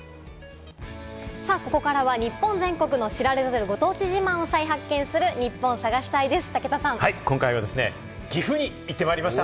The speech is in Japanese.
ここからは日本全国の知られざるご当地自慢を再発見するニッポン探し隊です。